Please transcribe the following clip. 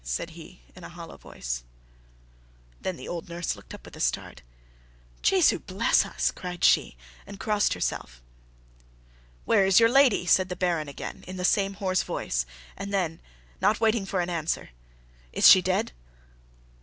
said he, in a hollow voice. Then the old nurse looked up with a start. "Jesu bless us," cried she, and crossed herself. "Where is your lady?" said the Baron again, in the same hoarse voice; and then, not waiting for an answer, "Is she dead?"